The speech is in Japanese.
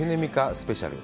スペシャル。